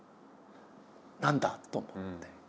「何だ？」と思って。